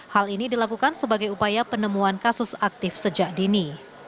hal ini dilakukan sebagai upaya penemuan kasus aktif sejak dini